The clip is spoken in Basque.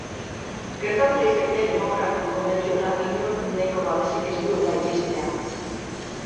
Gertatu liteke demokraten konbentziora inork nahiko babesik ez duela iristea.